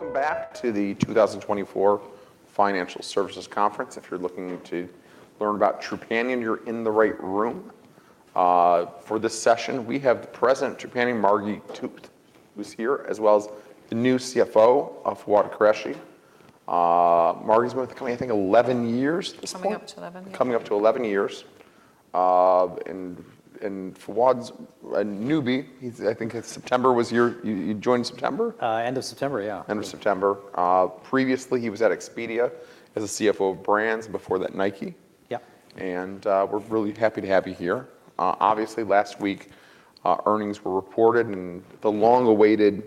Welcome back to the 2024 Financial Services Conference. If you're looking to learn about Trupanion, you're in the right room. For this session, we have the President of Trupanion, Margi Tooth, who's here, as well as the new CFO, Fawwad Qureshi. Margi's been with the company, I think, 11 years this fall. Coming up to 11, yeah. Coming up to 11 years. And Fawwad's a newbie. He's, I think, September was your, you joined September? end of September, yeah. End of September. Previously, he was at Expedia as a CFO of brands before that Nike. Yep. We're really happy to have you here. Obviously, last week, earnings were reported, and the long-awaited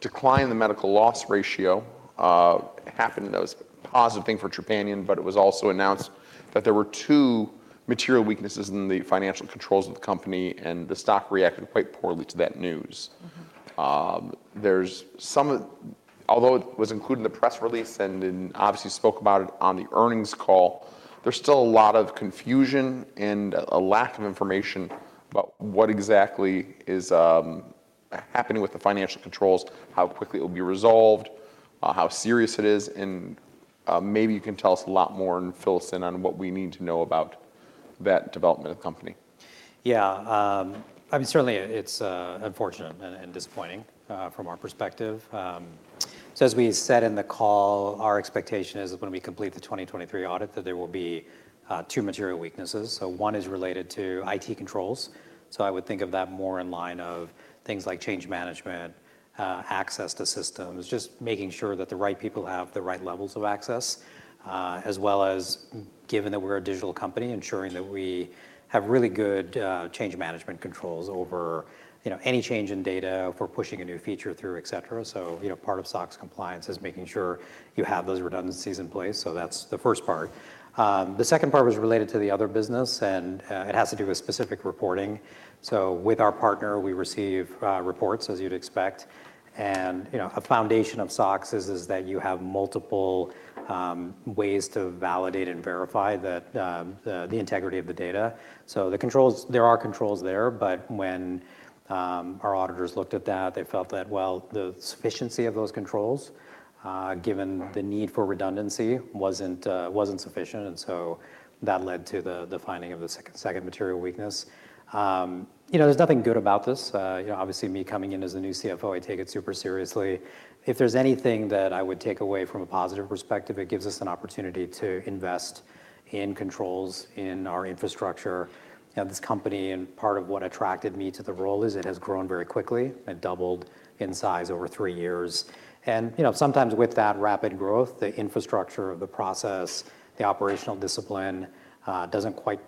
decline in the medical loss ratio happened. That was a positive thing for Trupanion, but it was also announced that there were two material weaknesses in the financial controls of the company, and the stock reacted quite poorly to that news. Mm-hmm. There's some of, although it was included in the press release and in obviously spoke about it on the earnings call, there's still a lot of confusion and a lack of information about what exactly is happening with the financial controls, how quickly it will be resolved, how serious it is. Maybe you can tell us a lot more and fill us in on what we need to know about that development of the company. Yeah. I mean, certainly, it's unfortunate and disappointing from our perspective. So as we said in the call, our expectation is that when we complete the 2023 audit, there will be two material weaknesses. So one is related to IT controls. So I would think of that more in line of things like change management, access to systems, just making sure that the right people have the right levels of access, as well as given that we're a digital company, ensuring that we have really good change management controls over, you know, any change in data, if we're pushing a new feature through, etc. So, you know, part of SOX compliance is making sure you have those redundancies in place. So that's the first part. The second part was related to the other business, and it has to do with specific reporting. So with our partner, we receive reports, as you'd expect. And, you know, a foundation of SOX is that you have multiple ways to validate and verify that the integrity of the data. So the controls there are controls there, but when our auditors looked at that, they felt that, well, the sufficiency of those controls, given the need for redundancy, wasn't sufficient. And so that led to the finding of the second material weakness. You know, there's nothing good about this. You know, obviously, me coming in as the new CFO, I take it super seriously. If there's anything that I would take away from a positive perspective, it gives us an opportunity to invest in controls, in our infrastructure. You know, this company and part of what attracted me to the role is it has grown very quickly. It doubled in size over three years. And, you know, sometimes with that rapid growth, the infrastructure of the process, the operational discipline, doesn't quite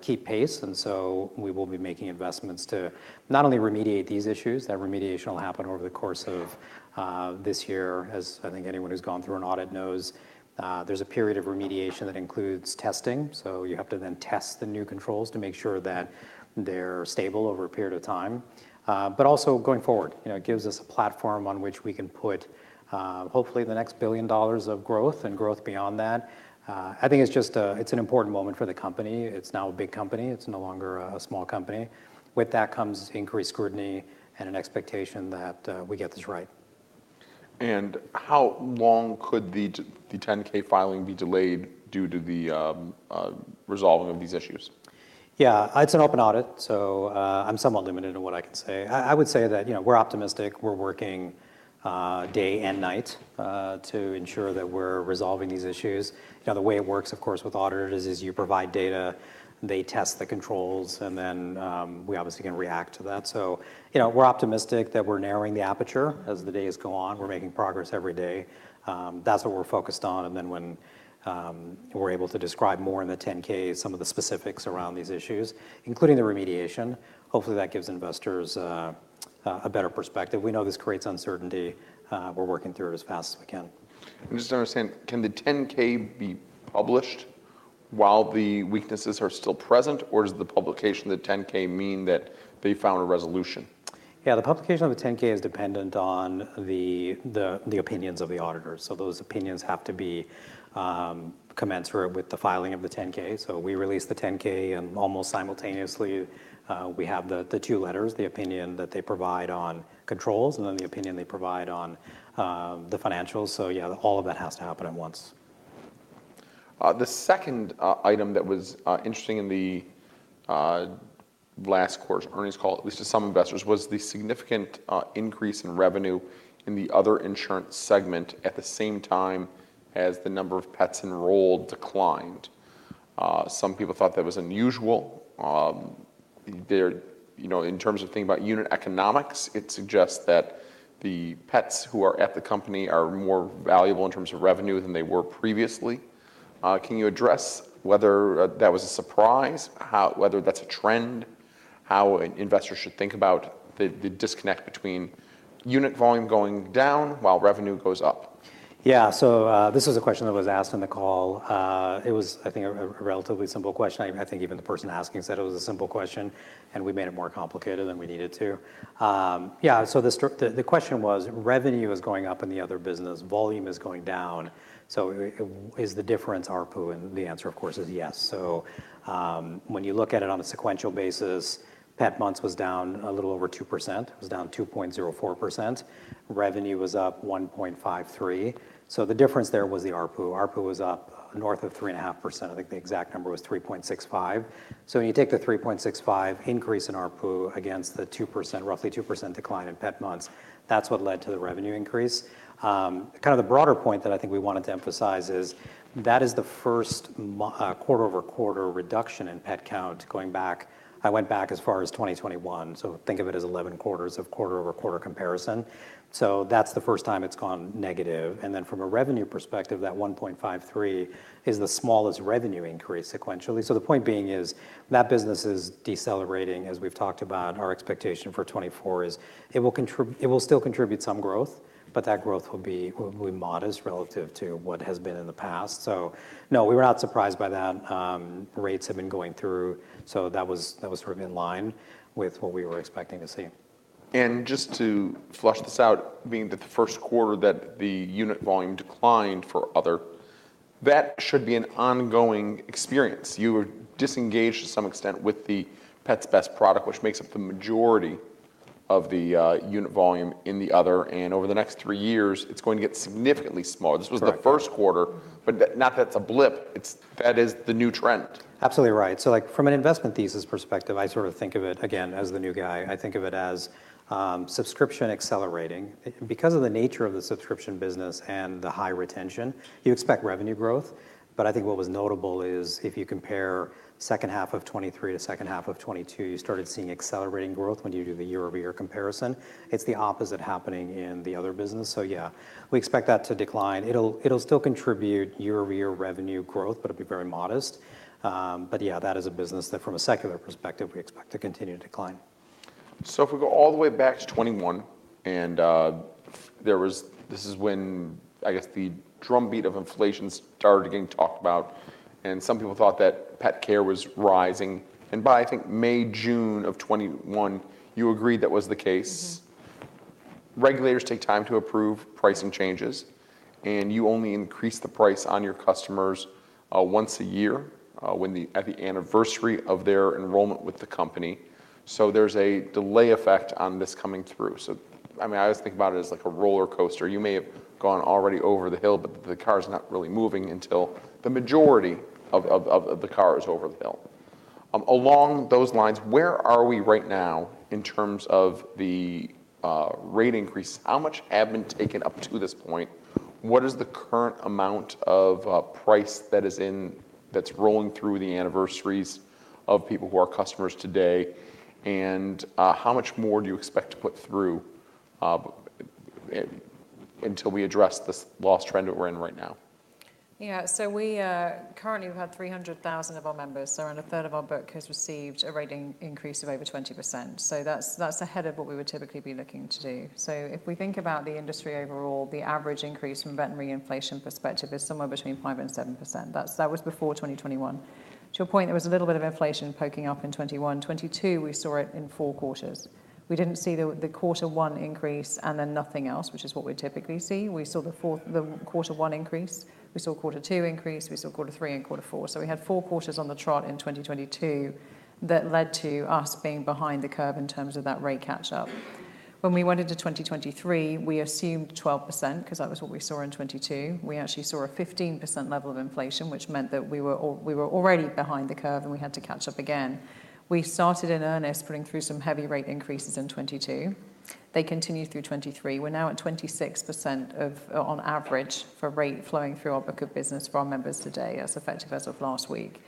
keep pace. And so we will be making investments to not only remediate these issues. That remediation will happen over the course of this year, as I think anyone who's gone through an audit knows. There's a period of remediation that includes testing. So you have to then test the new controls to make sure that they're stable over a period of time. But also going forward, you know, it gives us a platform on which we can put, hopefully, the next $1 billion of growth and growth beyond that. I think it's just a it's an important moment for the company. It's now a big company. It's no longer a, a small company. With that comes increased scrutiny and an expectation that we get this right. How long could the 10-K filing be delayed due to resolving of these issues? Yeah. It's an open audit, so I'm somewhat limited in what I can say. I would say that, you know, we're optimistic. We're working day and night to ensure that we're resolving these issues. You know, the way it works, of course, with auditors is you provide data, they test the controls, and then we obviously can react to that. So, you know, we're optimistic that we're narrowing the aperture as the day has gone on. We're making progress every day. That's what we're focused on. And then when we're able to describe more in the 10-K some of the specifics around these issues, including the remediation, hopefully that gives investors a better perspective. We know this creates uncertainty. We're working through it as fast as we can. I'm just understanding. Can the 10-K be published while the weaknesses are still present, or does the publication of the 10-K mean that they found a resolution? Yeah. The publication of the 10-K is dependent on the opinions of the auditors. So those opinions have to be commensurate with the filing of the 10-K. So we release the 10-K, and almost simultaneously, we have the two letters, the opinion that they provide on controls and then the opinion they provide on the financials. So, yeah, all of that has to happen at once. The second item that was interesting in the last quarter's earnings call, at least to some investors, was the significant increase in revenue in the other insurance segment at the same time as the number of pets enrolled declined. Some people thought that was unusual. There you know, in terms of thinking about unit economics, it suggests that the pets who are at the company are more valuable in terms of revenue than they were previously. Can you address whether that was a surprise, how whether that's a trend, how an investor should think about the disconnect between unit volume going down while revenue goes up? Yeah. So, this was a question that was asked on the call. It was, I think, a relatively simple question. I think even the person asking said it was a simple question, and we made it more complicated than we needed to. Yeah. So the question was, revenue is going up in the other business. Volume is going down. So it is the difference ARPU? And the answer, of course, is yes. So, when you look at it on a sequential basis, pet months was down a little over 2%. It was down 2.04%. Revenue was up 1.53%. So the difference there was the ARPU. ARPU was up north of 3.5%. I think the exact number was 3.65%. So when you take the 3.65% increase in ARPU against the 2% roughly 2% decline in pet months, that's what led to the revenue increase. Kind of the broader point that I think we wanted to emphasize is that is the first month-over-month quarter-over-month reduction in pet count going back I went back as far as 2021. So think of it as 11 quarters of quarter-over-quarter comparison. So that's the first time it's gone negative. And then from a revenue perspective, that 1.53% is the smallest revenue increase sequentially. So the point being is that business is decelerating, as we've talked about. Our expectation for 2024 is it will still contribute some growth, but that growth will be modest relative to what has been in the past. So, no, we were not surprised by that. Rates have been going through. So that was sort of in line with what we were expecting to see. Just to flesh this out, being that the first quarter that the unit volume declined for other that should be an ongoing experience. You are disengaged to some extent with the Pets Best product, which makes up the majority of the unit volume in the other. And over the next three years, it's going to get significantly smaller. This was the first quarter, but not that it's a blip. It's that is the new trend. Absolutely right. So, like, from an investment thesis perspective, I sort of think of it, again, as the new guy. I think of it as, subscription accelerating. Because of the nature of the subscription business and the high retention, you expect revenue growth. But I think what was notable is if you compare second half of 2023 to second half of 2022, you started seeing accelerating growth when you do the year-over-year comparison. It's the opposite happening in the other business. So, yeah, we expect that to decline. It'll still contribute year-over-year revenue growth, but it'll be very modest. But, yeah, that is a business that, from a secular perspective, we expect to continue to decline. So if we go all the way back to 2021, and there was, this is when, I guess, the drumbeat of inflation started getting talked about, and some people thought that pet care was rising. And by, I think, May, June of 2021, you agreed that was the case. Regulators take time to approve pricing changes, and you only increase the price on your customers once a year, when at the anniversary of their enrollment with the company. So there's a delay effect on this coming through. So, I mean, I always think about it as, like, a roller coaster. You may have gone already over the hill, but the car's not really moving until the majority of the car is over the hill. Along those lines, where are we right now in terms of the rate increase? How much have been taken up to this point? What is the current amount of, price that is in that's rolling through the anniversaries of people who are customers today? And, how much more do you expect to put through, until we address this loss trend that we're in right now? Yeah. So we currently we've had 300,000 of our members. So around a third of our book has received a rating increase of over 20%. So that's ahead of what we would typically be looking to do. So if we think about the industry overall, the average increase from a veterinary inflation perspective is somewhere between 5%-7%. That was before 2021. To your point, there was a little bit of inflation poking up in 2021. 2022, we saw it in four quarters. We didn't see the quarter one increase and then nothing else, which is what we typically see. We saw the quarter one increase. We saw quarter two increase. We saw quarter three and quarter four. So we had four quarters on the chart in 2022 that led to us being behind the curve in terms of that rate catch-up. When we went into 2023, we assumed 12% because that was what we saw in 2022. We actually saw a 15% level of inflation, which meant that we were already behind the curve, and we had to catch up again. We started in earnest putting through some heavy rate increases in 2022. They continued through 2023. We're now at 26% overall, on average, for rate flowing through our book of business for our members today, as effective as of last week.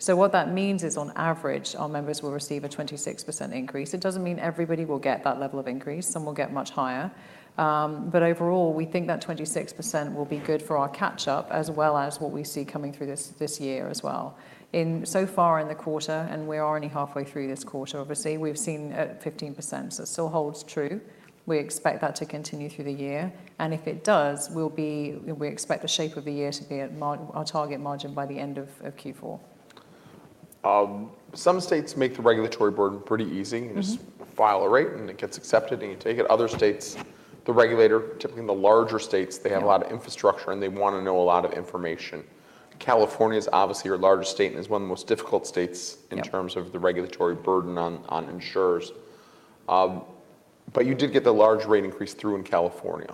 So what that means is, on average, our members will receive a 26% increase. It doesn't mean everybody will get that level of increase. Some will get much higher. But overall, we think that 26% will be good for our catch-up as well as what we see coming through this year as well. So far in the quarter and we are only halfway through this quarter, obviously, we've seen a 15%. So it still holds true. We expect that to continue through the year. And if it does, we expect the shape of the year to be at our target margin by the end of Q4. Some states make the regulatory burden pretty easy. You just file a rate, and it gets accepted, and you take it. Other states the regulator typically, in the larger states, they have a lot of infrastructure, and they want to know a lot of information. California is obviously our largest state and is one of the most difficult states in terms of the regulatory burden on insurers. But you did get the large rate increase through in California.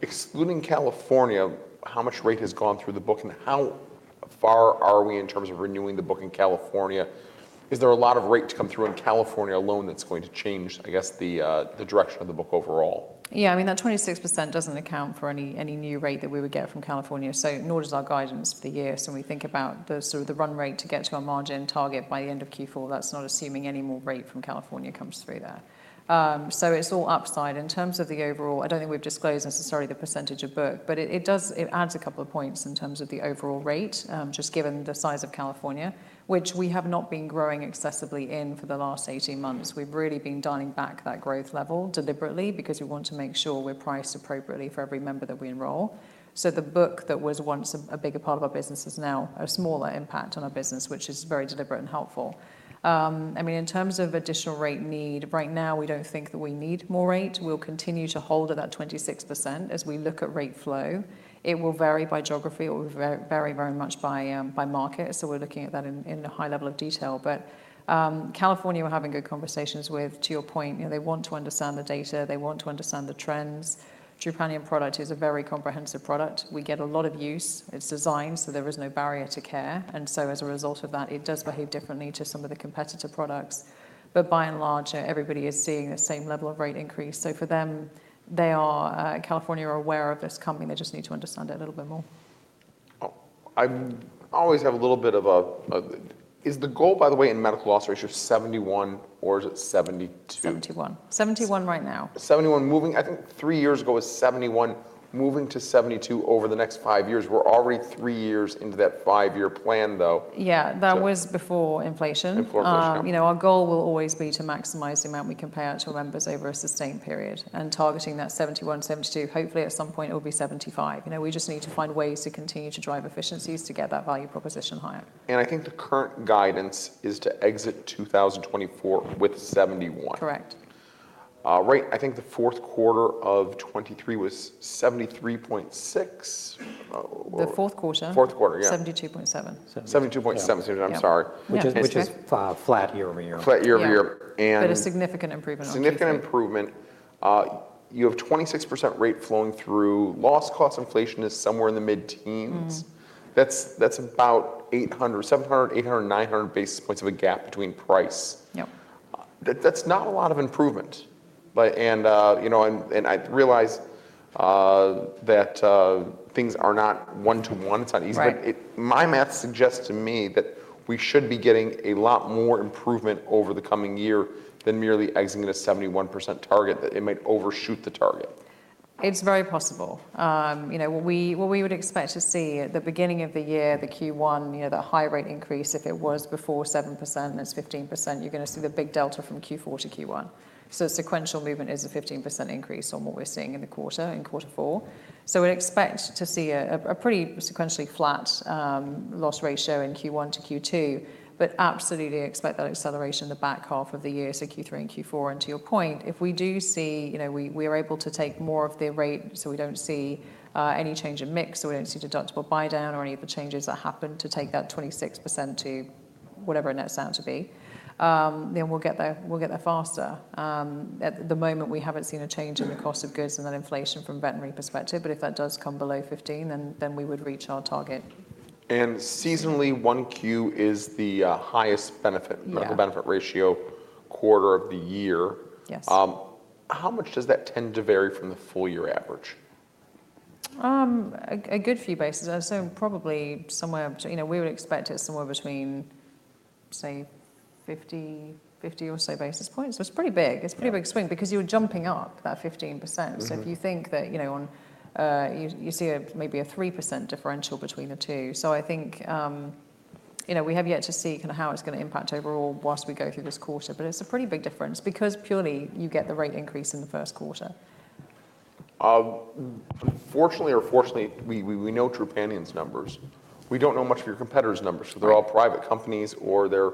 Excluding California, how much rate has gone through the book, and how far are we in terms of renewing the book in California? Is there a lot of rate to come through in California alone that's going to change, I guess, the direction of the book overall? Yeah. I mean, that 26% doesn't account for any, any new rate that we would get from California. So nor does our guidance for the year. So when we think about the sort of the run rate to get to our margin target by the end of Q4, that's not assuming any more rate from California comes through there. So it's all upside. In terms of the overall, I don't think we've disclosed necessarily the percentage of book, but it, it does it adds a couple of points in terms of the overall rate, just given the size of California, which we have not been growing excessively in for the last 18 months. We've really been dialing back that growth level deliberately because we want to make sure we're priced appropriately for every member that we enroll. So the book that was once a bigger part of our business has now a smaller impact on our business, which is very deliberate and helpful. I mean, in terms of additional rate need, right now, we don't think that we need more rate. We'll continue to hold at that 26% as we look at rate flow. It will vary by geography or very, very much by market. So we're looking at that in a high level of detail. But California, we're having good conversations with. To your point, you know, they want to understand the data. They want to understand the trends. Trupanion Product is a very comprehensive product. We get a lot of use. It's designed so there is no barrier to care. And so as a result of that, it does behave differently to some of the competitor products. By and large, you know, everybody is seeing the same level of rate increase. So for them, they are California are aware of this company. They just need to understand it a little bit more. I always have a little bit of a, is the goal, by the way, in Medical Loss Ratio 71%, or is it 72%? 71. 71 right now. 71% moving, I think. Three years ago was 71% moving to 72% over the next five years. We're already three years into that five-year plan, though. Yeah. That was before inflation. Before inflation, okay. You know, our goal will always be to maximize the amount we can pay out to our members over a sustained period and targeting that 71%-72%. Hopefully, at some point, it'll be 75%. You know, we just need to find ways to continue to drive efficiencies to get that value proposition higher. I think the current guidance is to exit 2024 with 71%. Correct. Right. I think the fourth quarter of 2023 was 73.6% or. The fourth quarter? Fourth quarter, yeah. 72.7%. 72.7%. I'm sorry. Yeah. Which is flat year-over-year. Flat year-over-year. And. But a significant improvement, obviously. Significant improvement. You have 26% rate flowing through. Loss cost inflation is somewhere in the mid-teens. That's about 800, 700, 800, 900 basis points of a gap between price. Yep. That's not a lot of improvement. But, you know, I realize that things are not one-to-one. It's not easy. But my math suggests to me that we should be getting a lot more improvement over the coming year than merely exiting at a 71% target. That it might overshoot the target. It's very possible, you know, what we would expect to see at the beginning of the year, the Q1, you know, that high rate increase, if it was before 7% and it's 15%, you're going to see the big delta from Q4 to Q1. So sequential movement is a 15% increase on what we're seeing in the quarter, in quarter four. So we'd expect to see a pretty sequentially flat loss ratio in Q1 to Q2, but absolutely expect that acceleration in the back half of the year, so Q3 and Q4. To your point, if we do see you know, we are able to take more of the rate so we don't see any change in mix, so we don't see deductible buy down or any of the changes that happen to take that 26% to whatever it ends out to be, then we'll get there faster. At the moment, we haven't seen a change in the cost of goods and that inflation from a veterinary perspective. But if that does come below 15%, then we would reach our target. Seasonally, one Q is the highest benefit. Yeah. Medical loss ratio quarter of the year. Yes. How much does that tend to vary from the full-year average? A good few basis. I assume probably somewhere you know, we would expect it somewhere between, say, 50-50 or so basis points. So it's pretty big. It's a pretty big swing because you're jumping up that 15%. So if you think that, you know, on you, you see a maybe 3% differential between the two. So I think, you know, we have yet to see kind of how it's going to impact overall while we go through this quarter. But it's a pretty big difference because, purely, you get the rate increase in the first quarter. Unfortunately or fortunately, we know Trupanion's numbers. We don't know much of your competitors' numbers. They're all private companies, or they're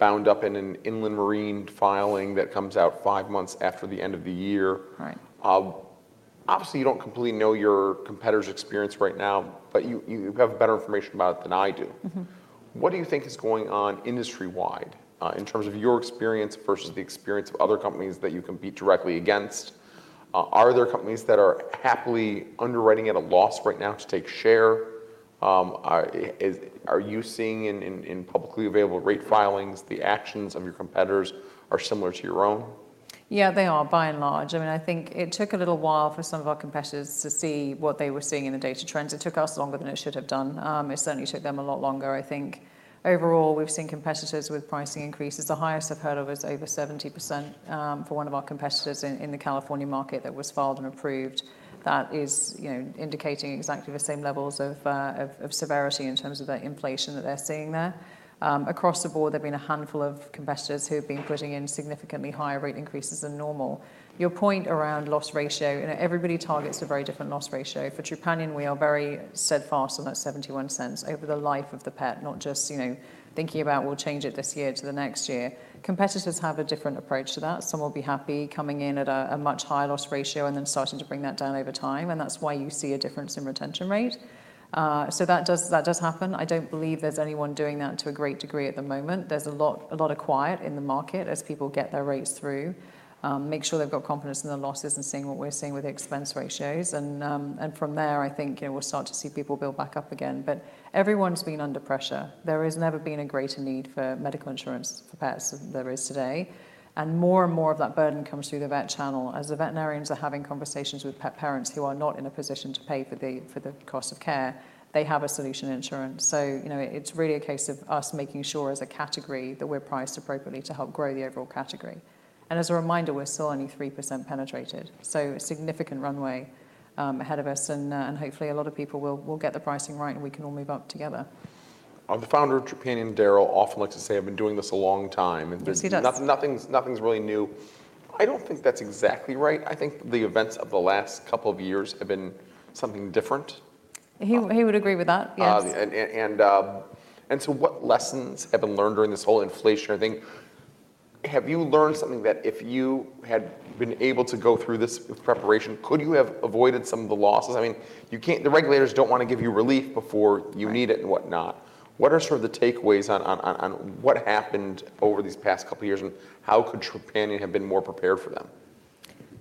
bound up in an inland marine filing that comes out five months after the end of the year. Right. Obviously, you don't completely know your competitors' experience right now, but you have better information about it than I do. Mm-hmm. What do you think is going on industry-wide, in terms of your experience versus the experience of other companies that you can beat directly against? Are there companies that are happily underwriting at a loss right now to take share? Are you seeing in publicly available rate filings, the actions of your competitors are similar to your own? Yeah. They are, by and large. I mean, I think it took a little while for some of our competitors to see what they were seeing in the data trends. It took us longer than it should have done. It certainly took them a lot longer, I think. Overall, we've seen competitors with pricing increases. The highest I've heard of is over 70%, for one of our competitors in the California market that was filed and approved. That is, you know, indicating exactly the same levels of severity in terms of that inflation that they're seeing there. Across the board, there have been a handful of competitors who have been putting in significantly higher rate increases than normal. Your point around loss ratio, you know, everybody targets a very different loss ratio. For Trupanion, we are very steadfast on that $0.71 over the life of the pet, not just, you know, thinking about, "We'll change it this year to the next year." Competitors have a different approach to that. Some will be happy coming in at a much higher loss ratio and then starting to bring that down over time. And that's why you see a difference in retention rate. So that does happen. I don't believe there's anyone doing that to a great degree at the moment. There's a lot of quiet in the market as people get their rates through, make sure they've got confidence in their losses and seeing what we're seeing with the expense ratios. And from there, I think, you know, we'll start to see people build back up again. But everyone's been under pressure. There has never been a greater need for medical insurance for pets than there is today. More and more of that burden comes through the vet channel. As the veterinarians are having conversations with pet parents who are not in a position to pay for the cost of care, they have a solution: insurance. So, you know, it's really a case of us making sure, as a category, that we're priced appropriately to help grow the overall category. And as a reminder, we're still only 3% penetrated. So a significant runway ahead of us. And hopefully, a lot of people will get the pricing right, and we can all move up together. The founder of Trupanion, Darryl, often likes to say, "I've been doing this a long time." And there's. Yes, he does. Nothing's really new. I don't think that's exactly right. I think the events of the last couple of years have been something different. He would agree with that. Yes. So what lessons have been learned during this whole inflationary thing? Have you learned something that, if you had been able to go through this with preparation, could you have avoided some of the losses? I mean, you can't, the regulators don't want to give you relief before you need it and whatnot. What are sort of the takeaways on what happened over these past couple of years, and how could Trupanion have been more prepared for them?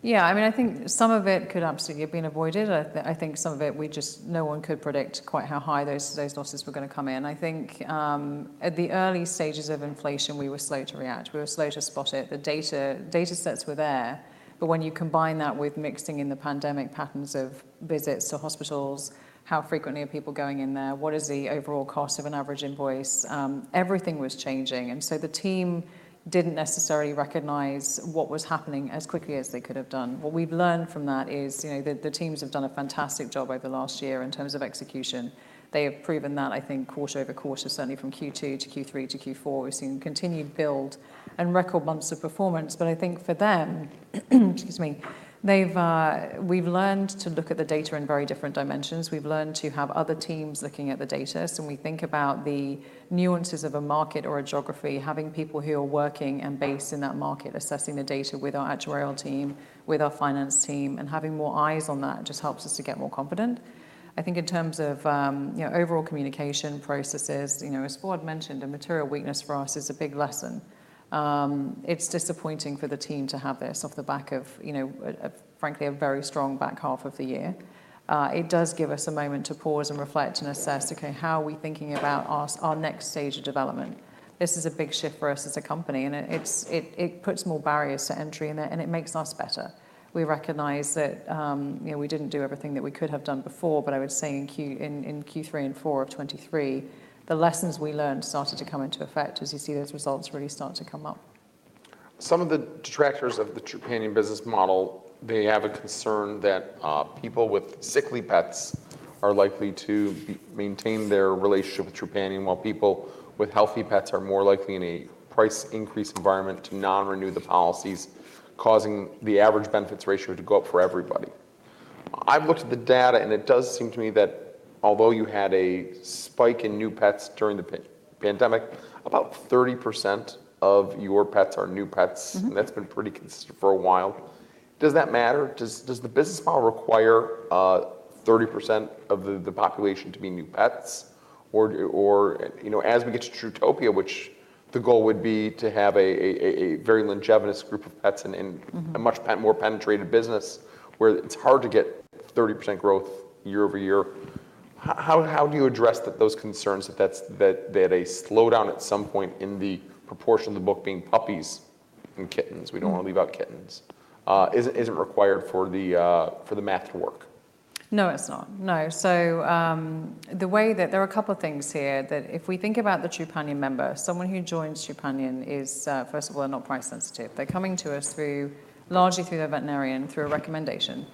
Yeah. I mean, I think some of it could obviously have been avoided. I think some of it we just no one could predict quite how high those losses were going to come in. I think, at the early stages of inflation, we were slow to react. We were slow to spot it. The data datasets were there. But when you combine that with mixing in the pandemic patterns of visits to hospitals, how frequently are people going in there, what is the overall cost of an average invoice, everything was changing. And so the team didn't necessarily recognize what was happening as quickly as they could have done. What we've learned from that is, you know, the teams have done a fantastic job over the last year in terms of execution. They have proven that, I think, quarter-over-quarter, certainly from Q2 to Q3 to Q4, we've seen continued build and record months of performance. But I think for them—excuse me. They've, we've learned to look at the data in very different dimensions. We've learned to have other teams looking at the data. So when we think about the nuances of a market or a geography, having people who are working and based in that market assessing the data with our actuarial team, with our finance team, and having more eyes on that just helps us to get more confident. I think in terms of, you know, overall communication processes, you know, as Board mentioned, a Material Weakness for us is a big lesson. It's disappointing for the team to have this off the back of, you know, a frankly, a very strong back half of the year. It does give us a moment to pause and reflect and assess, "Okay, how are we thinking about our next stage of development?" This is a big shift for us as a company. And it puts more barriers to entry in there, and it makes us better. We recognize that, you know, we didn't do everything that we could have done before. But I would say in Q3 and Q4 of 2023, the lessons we learned started to come into effect as you see those results really start to come up. Some of the detractors of the Trupanion business model, they have a concern that, people with sickly pets are likely to be maintain their relationship with Trupanion, while people with healthy pets are more likely, in a price increase environment, to non-renew the policies, causing the average benefits ratio to go up for everybody. I've looked at the data, and it does seem to me that, although you had a spike in new pets during the pandemic, about 30% of your pets are new pets. And that's been pretty consistent for a while. Does that matter? Does, does the business model require, 30% of the, the population to be new pets? Or, you know, as we get to Trutopia, which the goal would be to have a very longevous group of pets and a much more penetrated business where it's hard to get 30% growth year-over-year, how do you address those concerns that a slowdown at some point in the proportion of the book being puppies and kittens, we don't want to leave out kittens, isn't required for the math to work? No, it's not. No. So, the way that there are a couple of things here that if we think about the Trupanion member, someone who joins Trupanion is, first of all, they're not price sensitive. They're coming to us largely through their veterinarian, through a recommendation.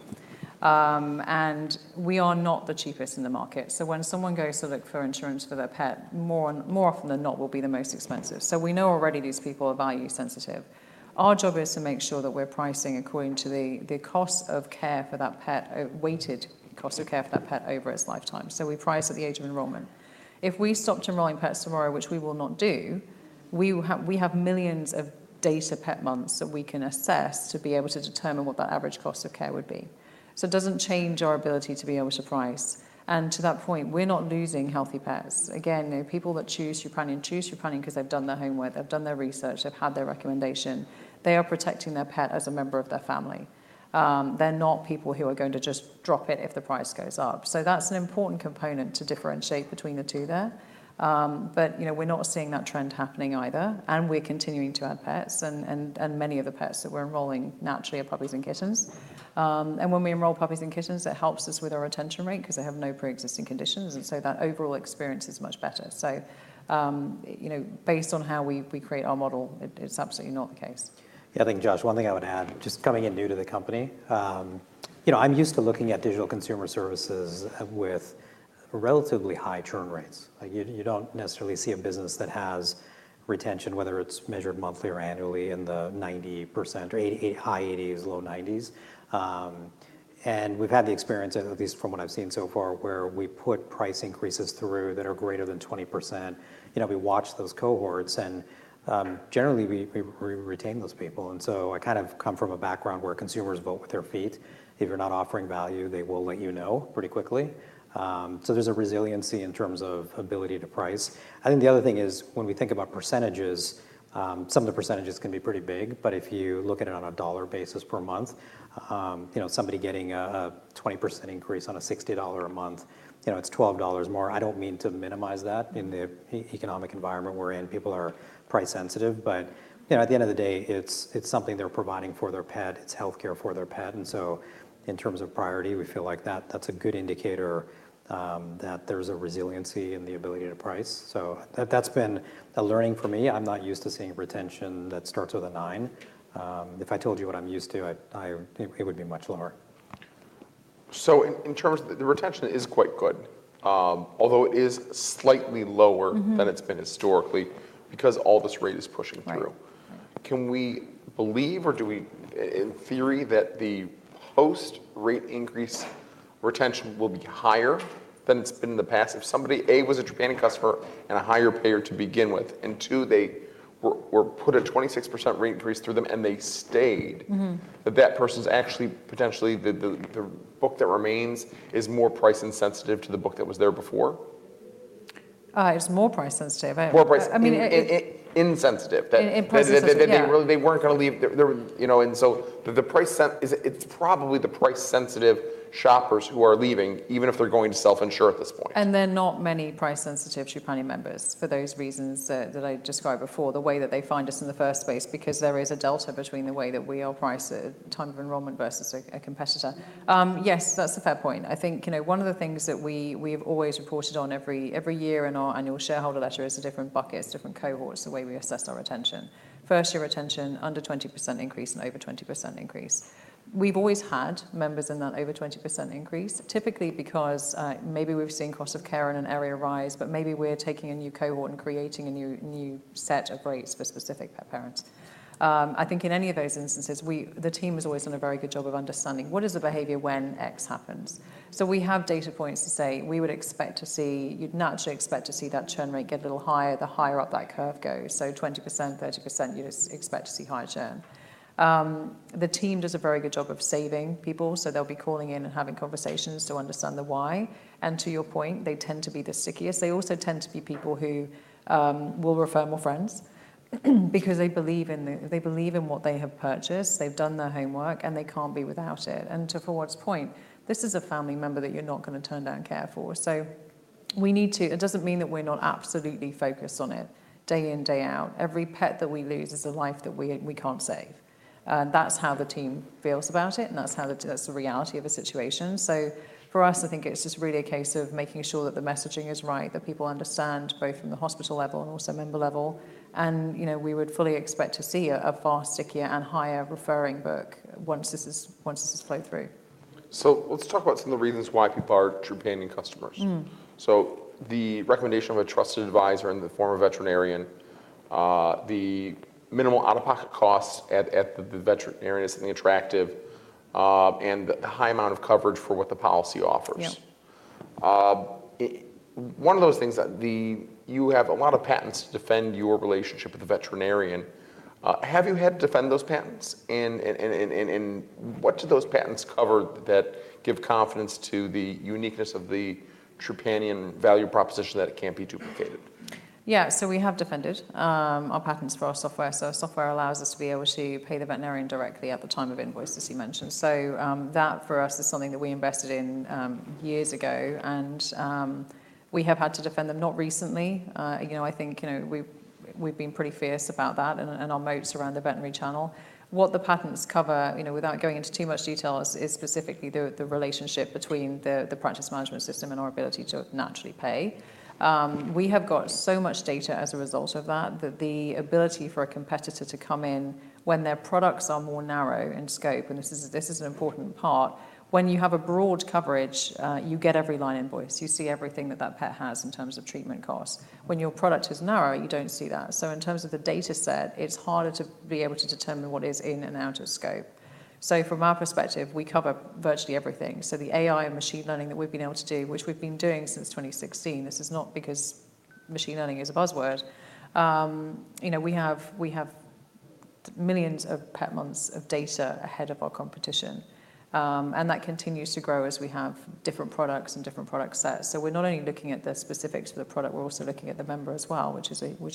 We are not the cheapest in the market. So when someone goes to look for insurance for their pet, more and more often than not, will be the most expensive. So we know already these people are value sensitive. Our job is to make sure that we're pricing according to the cost of care for that pet, weighted cost of care for that pet over its lifetime. So we price at the age of enrollment. If we stopped enrolling pets tomorrow, which we will not do, we have millions of data pet months that we can assess to be able to determine what that average cost of care would be. So it doesn't change our ability to be able to price. And to that point, we're not losing healthy pets. Again, you know, people that choose Trupanion choose Trupanion because they've done their homework. They've done their research. They've had their recommendation. They are protecting their pet as a member of their family. They're not people who are going to just drop it if the price goes up. So that's an important component to differentiate between the two there. But, you know, we're not seeing that trend happening either. And we're continuing to add pets. And many of the pets that we're enrolling naturally are puppies and kittens. When we enroll puppies and kittens, it helps us with our retention rate because they have no preexisting conditions. And so that overall experience is much better. So, you know, based on how we, we create our model, it, it's absolutely not the case. Yeah. I think, Josh, one thing I would add, just coming in new to the company, you know, I'm used to looking at digital consumer services with relatively high churn rates. Like, you don't necessarily see a business that has retention, whether it's measured monthly or annually, in the 90s or high 80s, low 90s. We've had the experience, at least from what I've seen so far, where we put price increases through that are greater than 20%. You know, we watch those cohorts. Generally, we retain those people. So I kind of come from a background where consumers vote with their feet. If you're not offering value, they will let you know pretty quickly. So there's a resiliency in terms of ability to price. I think the other thing is, when we think about percentages, some of the percentages can be pretty big. But if you look at it on a dollar basis per month, you know, somebody getting a 20% increase on a $60 a month, you know, it's $12 more. I don't mean to minimize that in the economic environment we're in. People are price sensitive. But, you know, at the end of the day, it's something they're providing for their pet. It's health care for their pet. And so in terms of priority, we feel like that, that's a good indicator, that there's a resiliency in the ability to price. So that, that's been a learning for me. I'm not used to seeing retention that starts with a 9. If I told you what I'm used to, it would be much lower. terms of the retention, the retention is quite good, although it is slightly lower than it's been historically because all this rate is pushing through. Right. Can we believe or do we, in theory, that the post-rate increase retention will be higher than it's been in the past? If somebody A, was a Trupanion customer and a higher payer to begin with, and two, they were put a 26% rate increase through them, and they stayed, that person's actually potentially the book that remains is more price insensitive to the book that was there before? It's more price sensitive. More price sensitive. I mean, it's insensitive. That they really weren't going to leave. They're, you know, and so the price—it's probably the price-sensitive shoppers who are leaving, even if they're going to self-insure at this point. And there aren't many price-sensitive Trupanion members for those reasons that I described before, the way that they find us in the first place, because there is a delta between the way that we are priced at time of enrollment versus a competitor. Yes, that's a fair point. I think, you know, one of the things that we have always reported on every year in our annual shareholder letter is the different buckets, different cohorts, the way we assess our retention. First-year retention, under 20% increase, and over 20% increase. We've always had members in that over 20% increase, typically because, maybe we've seen cost of care in an area rise, but maybe we're taking a new cohort and creating a new, new set of rates for specific pet parents. I think in any of those instances, we, the team has always done a very good job of understanding, "What is the behavior when X happens?" So we have data points to say, "We would expect to see you'd naturally expect to see that churn rate get a little higher the higher up that curve goes." So 20%, 30%, you'd expect to see higher churn. The team does a very good job of saving people. So they'll be calling in and having conversations to understand the why. And to your point, they tend to be the stickiest. They also tend to be people who will refer more friends because they believe in what they have purchased. They've done their homework, and they can't be without it. And to Fawwad's point, this is a family member that you're not going to turn down care for. So, it doesn't mean that we're not absolutely focused on it day in, day out. Every pet that we lose is a life that we can't save. And that's how the team feels about it. And that's the reality of a situation. So for us, I think it's just really a case of making sure that the messaging is right, that people understand, both from the hospital level and also member level. You know, we would fully expect to see a far stickier and higher referring book once this has flowed through. So let's talk about some of the reasons why people are Trupanion customers. The recommendation of a trusted advisor in the form of a veterinarian, the minimal out-of-pocket costs at the veterinarian is something attractive, and the high amount of coverage for what the policy offers. Yeah. One of those things that you have a lot of patents to defend your relationship with the veterinarian. Have you had to defend those patents? And what do those patents cover that give confidence to the uniqueness of the Trupanion value proposition that it can't be duplicated? Yeah. So we have defended our patents for our software. So our software allows us to be able to pay the veterinarian directly at the time of invoice, as you mentioned. So that, for us, is something that we invested in years ago. And we have had to defend them, not recently. You know, I think you know, we've been pretty fierce about that and our moats around the veterinary channel. What the patents cover, you know, without going into too much detail, is specifically the relationship between the practice management system and our ability to naturally pay. We have got so much data as a result of that that the ability for a competitor to come in when their products are more narrow in scope and this is an important part when you have a broad coverage, you get every line invoice. You see everything that that pet has in terms of treatment costs. When your product is narrow, you don't see that. So in terms of the dataset, it's harder to be able to determine what is in and out of scope. So from our perspective, we cover virtually everything. So the AI and machine learning that we've been able to do, which we've been doing since 2016. This is not because machine learning is a buzzword. You know, we have millions of pet months of data ahead of our competition. And that continues to grow as we have different products and different product sets. So we're not only looking at the specifics for the product, we're also looking at the member as well, which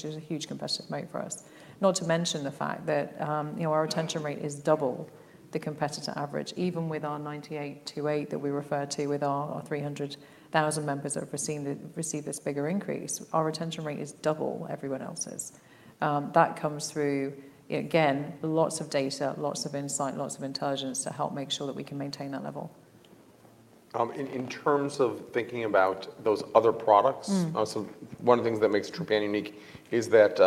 is a huge competitive moat for us. Not to mention the fact that, you know, our retention rate is double the competitor average. Even with our 98-28 that we refer to with our 300,000 members that have received this bigger increase, our retention rate is double everyone else's. That comes through, again, lots of data, lots of insight, lots of intelligence to help make sure that we can maintain that level. In terms of thinking about those other products, one of the things that makes Trupanion unique is that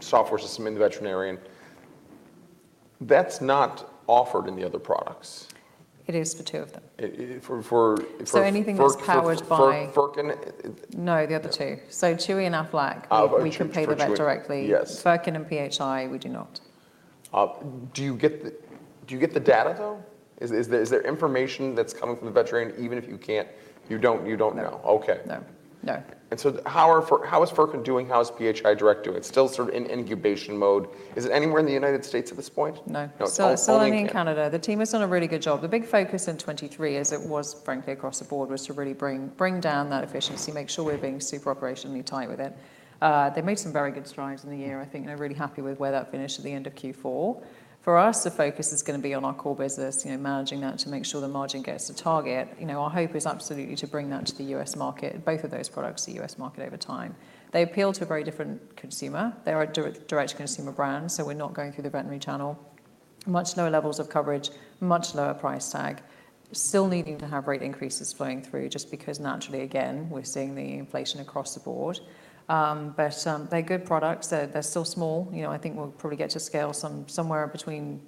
software system in the veterinarian. That's not offered in the other products. It is for two of them. It for and. Anything that's powered by. No, the other two. So Chewy and Aflac, we can pay the vet directly. Oh, but Chewy, yes. Furkin and PHI, we do not. No. Do you get the data, though? Is there information that's coming from the veterinarian, even if you don't know? No. Okay. No. No. So how is Furkin doing? How is PHI Direct doing? It's still sort of in incubation mode. Is it anywhere in the United States at this point? No. No, it's all selling in Canada. It's all selling in Canada. The team has done a really good job. The big focus in 2023, as it was, frankly, across the board, was to really bring, bring down that efficiency, make sure we're being super operationally tight with it. They made some very good strides in the year, I think, and are really happy with where that finished at the end of Q4. For us, the focus is going to be on our core business, you know, managing that to make sure the margin gets to target. You know, our hope is absolutely to bring that to the U.S. market, both of those products, the U.S. market over time. They appeal to a very different consumer. They are a direct-to-consumer brand. So we're not going through the veterinary channel. Much lower levels of coverage, much lower price tag, still needing to have rate increases flowing through just because, naturally, again, we're seeing the inflation across the board. But they're good products. They're still small. You know, I think we'll probably get to scale some somewhere between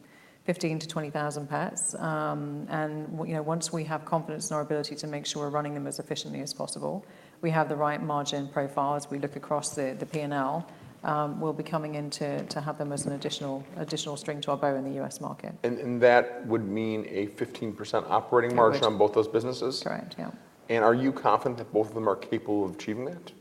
15,000-20,000 pets. And you know, once we have confidence in our ability to make sure we're running them as efficiently as possible, we have the right margin profiles, we look across the P&L, we'll be coming in to have them as an additional string to our bow in the U.S. market. And that would mean a 15% operating margin on both those businesses? Correct. Correct. Yeah. Are you confident that both of them are capable of achieving that?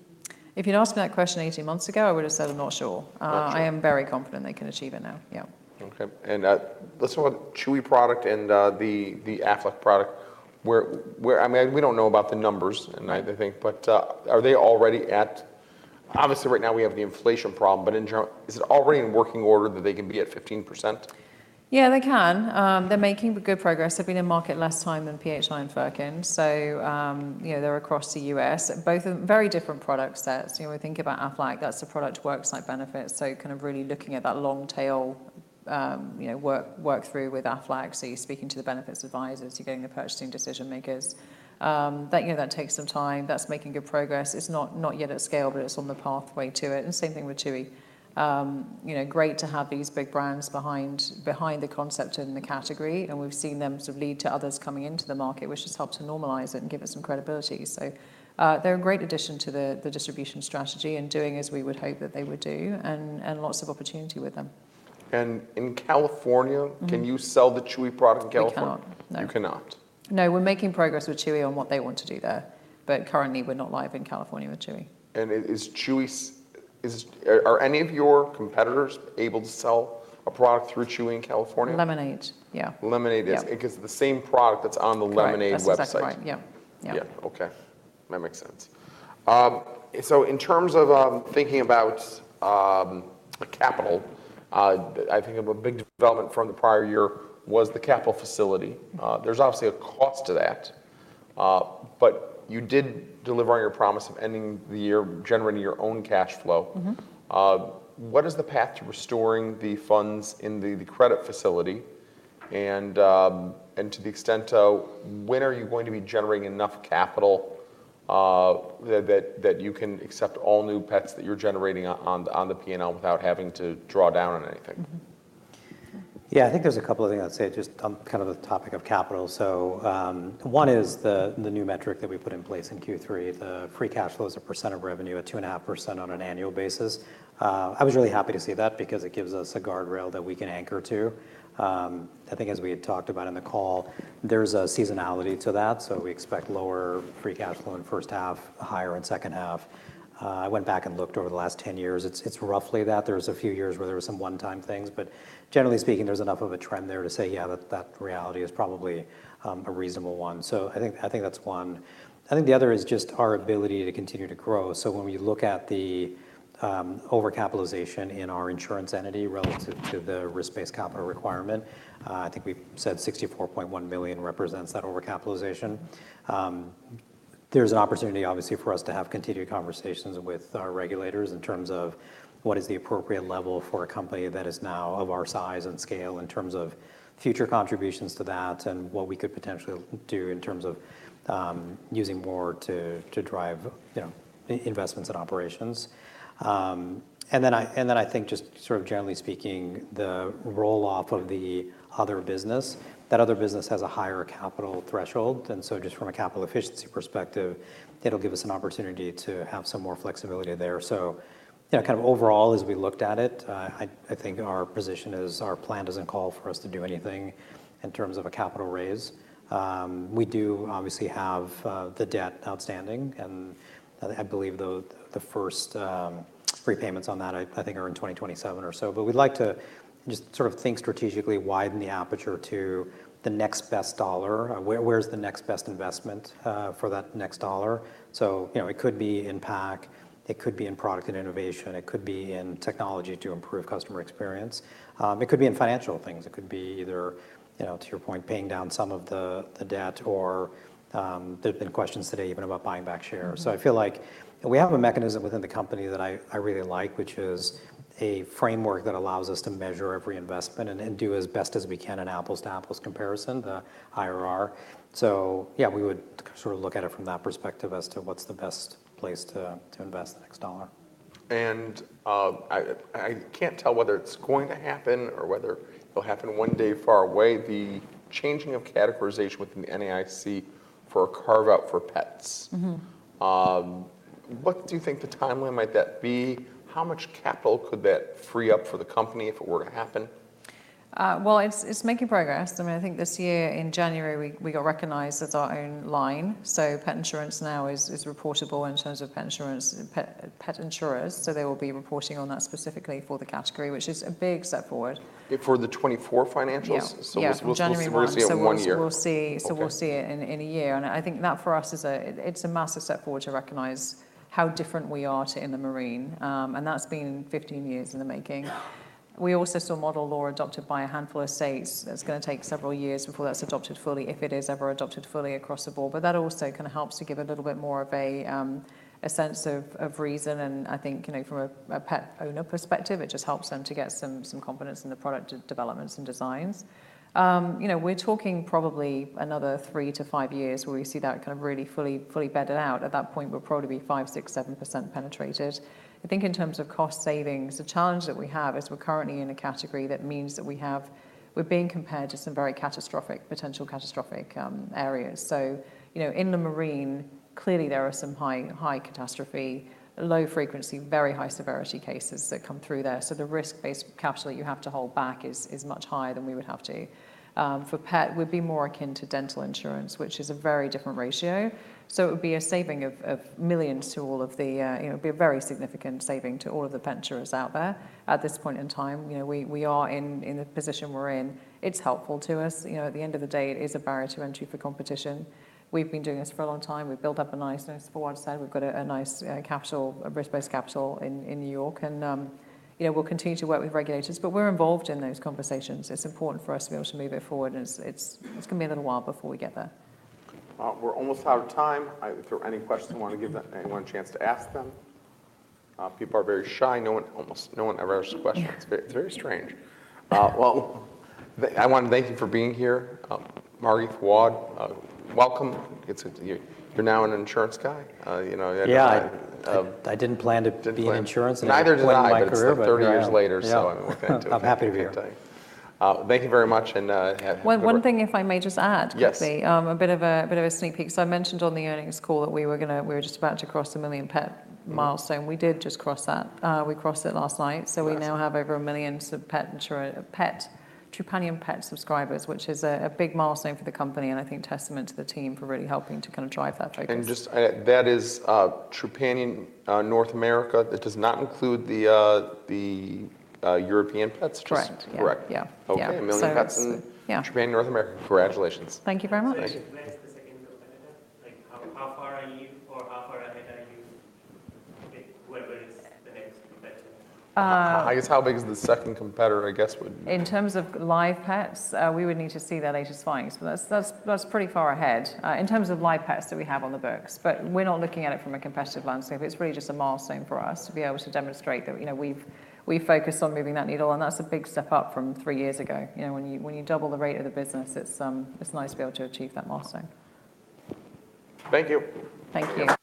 If you'd asked me that question 18 months ago, I would have said, "I'm not sure." I am very confident they can achieve it now. Yeah. Okay. And let's talk about Chewy product and the Aflac product. Where I mean, we don't know about the numbers, and I think, but are they already at obviously, right now we have the inflation problem. But in general, is it already in working order that they can be at 15%? Yeah, they can. They're making good progress. They've been in market less time than PHI and Furkin. So, you know, they're across the U.S. Both are very different product sets. You know, we think about Aflac. That's the product Worksite Benefits. So kind of really looking at that long-tail, you know, work through with Aflac. So you're speaking to the benefits advisors. You're getting the purchasing decision-makers. That, you know, that takes some time. That's making good progress. It's not yet at scale, but it's on the pathway to it. And same thing with Chewy. You know, great to have these big brands behind the concept and the category. And we've seen them sort of lead to others coming into the market, which has helped to normalize it and give it some credibility. So, they're a great addition to the distribution strategy and doing as we would hope that they would do and lots of opportunity with them. In California, can you sell the Chewy product in California? We cannot. No. You cannot. No, we're making progress with Chewy on what they want to do there. But currently, we're not live in California with Chewy. Are any of your competitors able to sell a product through Chewy in California? Lemonade. Yeah. Lemonade, yes. Yes. Because the same product that's on the Lemonade website. That's right. Yeah. Yeah. Yeah. Okay. That makes sense. So in terms of, thinking about, capital, I think of a big development from the prior year was the capital facility. There's obviously a cost to that. But you did deliver on your promise of ending the year generating your own cash flow. Mm-hmm. What is the path to restoring the funds in the credit facility? And to the extent of, when are you going to be generating enough capital that you can accept all new pets that you're generating on the P&L without having to draw down on anything? Yeah, I think there's a couple of things I'd say just on kind of the topic of capital. So, one is the new metric that we put in place in Q3, the free cash flow as a percent of revenue at 2.5% on an annual basis. I was really happy to see that because it gives us a guardrail that we can anchor to. I think, as we had talked about in the call, there's a seasonality to that. So we expect lower free cash flow in first half, higher in second half. I went back and looked over the last 10 years. It's roughly that. There was a few years where there were some one-time things. But generally speaking, there's enough of a trend there to say, "Yeah, that reality is probably a reasonable one." So I think that's one. I think the other is just our ability to continue to grow. So when we look at the over-capitalization in our insurance entity relative to the risk-based capital requirement, I think we've said $64.1 million represents that over-capitalization. There's an opportunity, obviously, for us to have continued conversations with our regulators in terms of, "What is the appropriate level for a company that is now of our size and scale in terms of future contributions to that and what we could potentially do in terms of using more to drive, you know, investments and operations?" And then I think just sort of generally speaking, the roll-off of the other business, that other business has a higher capital threshold. And so just from a capital efficiency perspective, it'll give us an opportunity to have some more flexibility there. So, you know, kind of overall, as we looked at it, I, I think our position is our plan doesn't call for us to do anything in terms of a capital raise. We do, obviously, have the debt outstanding. And I believe the, the first repayments on that, I, I think, are in 2027 or so. But we'd like to just sort of think strategically, widen the aperture to the next best dollar. Where, where's the next best investment, for that next dollar? So, you know, it could be in PAC. It could be in product and innovation. It could be in technology to improve customer experience. It could be in financial things. It could be either, you know, to your point, paying down some of the, the debt or, there have been questions today even about buying back shares. So I feel like we have a mechanism within the company that I really like, which is a framework that allows us to measure every investment and do as best as we can an apples-to-apples comparison, the IRR. So, yeah, we would sort of look at it from that perspective as to what's the best place to invest the next dollar. I can't tell whether it's going to happen or whether it'll happen one day far away, the changing of categorization within the NAIC for a carve-out for pets. Mm-hmm. What do you think the timeline might be? How much capital could that free up for the company if it were to happen? Well, it's making progress. I mean, I think this year, in January, we got recognized as our own line. So pet insurance now is reportable in terms of pet insurance, pet insurers. So they will be reporting on that specifically for the category, which is a big step forward. For the 2024 financials? Yeah. So we'll see a one-year. Yeah. So we'll see it in a year. And I think that, for us, it's a massive step forward to recognize how different we are to the mainstream. And that's been 15 years in the making. We also saw model law adopted by a handful of states. That's going to take several years before that's adopted fully, if it is ever adopted fully across the board. But that also kind of helps to give a little bit more of a sense of reason. And I think, you know, from a pet owner perspective, it just helps them to get some confidence in the product developments and designs. You know, we're talking probably another three-five years where we see that kind of really fully bedded out. At that point, we'll probably be 5%, 6%, 7% penetrated. I think in terms of cost savings, the challenge that we have is we're currently in a category that means that we're being compared to some very catastrophic, potential catastrophic, areas. So, you know, in the marine, clearly, there are some high, high catastrophe, low-frequency, very high-severity cases that come through there. So the Risk-Based Capital that you have to hold back is much higher than we would have to. For pet, we'd be more akin to dental insurance, which is a very different ratio. So it would be a saving of millions to all of the, you know, it'd be a very significant saving to all of the pet insurers out there. At this point in time, you know, we are in the position we're in. It's helpful to us. You know, at the end of the day, it is a barrier to entry for competition. We've been doing this for a long time. We've built up a nice forward set. We've got a nice capital, a risk-based capital in New York. You know, we'll continue to work with regulators. But we're involved in those conversations. It's important for us to be able to move it forward. And it's going to be a little while before we get there. We're almost out of time. If there are any questions, you want to give anyone a chance to ask them. People are very shy. No one, almost no one, ever asks questions. It's very strange. Well, I want to thank you for being here, Margi Tooth. Welcome. It's a you're now an insurance guy. You know, you had a. Yeah. I didn't plan to be in insurance. Neither did I. In my career, but. 30 years later. So, I mean, we're kind of doing it. I'm happy to be here. Thank you very much. And have a good day. One thing, if I may just add. Yes. Quickly, a bit of a sneak peek. So I mentioned on the earnings call that we were just about to cross the 1 million pet milestone. We did just cross that. We crossed it last night. So we now have over 1 million sub pet insurer pet Trupanion pet subscribers, which is a big milestone for the company and, I think, testament to the team for really helping to kind of drive that focus. Just that is Trupanion North America. It does not include the European pets? Correct. Yeah. Correct. Yeah. Okay. 1 million pets in Trupanion, North America. Congratulations. Thank you very much. Thank you. Where is the second competitor? Like, how, how far are you, or how far ahead are you with whoever is the next competitor? I guess how big is the second competitor, I guess, would. In terms of live pets, we would need to see that at a spike. So that's pretty far ahead, in terms of live pets that we have on the books. But we're not looking at it from a competitive landscape. It's really just a milestone for us to be able to demonstrate that, you know, we've focused on moving that needle. And that's a big step up from three years ago. You know, when you double the rate of the business, it's nice to be able to achieve that milestone. Thank you. Thank you.